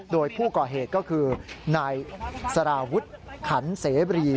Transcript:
โดยผู้ก่อเหตุก็คือนายสารวุฒิขันเสบรี